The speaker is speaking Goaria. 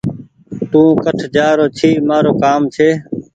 تو ڪٺ جآرو ڇي مآرو ڪآم ڇي